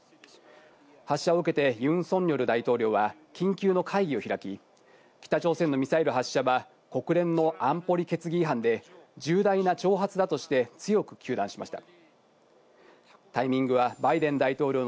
発射を受けて、ユン・ソンニョル大統領は緊急の会議を開き、北朝鮮のミサイル発射は国連の安保理決議違反で、重大な挑発だとして、強く糾弾しました。